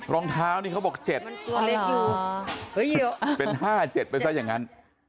รองเท้านี่เขาบอก๗เป็น๕๗ไปซะอย่างนั้น